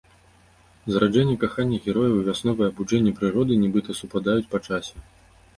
Зараджэнне кахання герояў і вясновае абуджэнне прыроды нібыта супадаюць па часе.